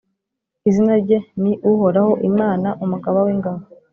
Izina rye ni Uhoraho, Imana umugaba w’ingabo.